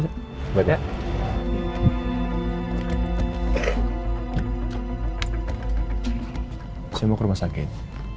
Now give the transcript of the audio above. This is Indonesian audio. saya mau ke rumah sakit